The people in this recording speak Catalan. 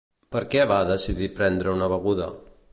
Per què va decidir prendre una beguda?